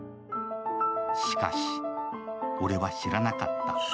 しかし、俺は知らなかった。